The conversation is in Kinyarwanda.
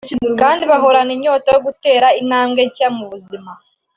kandi bahorana inyota yo gutera intambwe nshya mu buzima